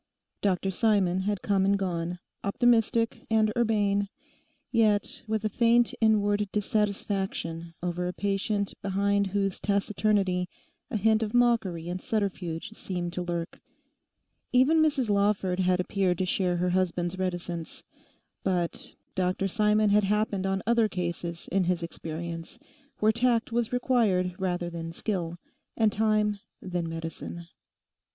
Dr Simon had come and gone, optimistic and urbane, yet with a faint inward dissatisfaction over a patient behind whose taciturnity a hint of mockery and subterfuge seemed to lurk. Even Mrs Lawford had appeared to share her husband's reticence. But Dr Simon had happened on other cases in his experience where tact was required rather than skill, and time than medicine.